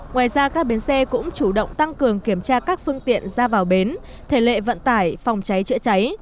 ngoài ra các bến xe cũng chủ động tăng cường kiểm tra các phương tiện ra vào bến thể lệ vận tải phòng cháy chữa cháy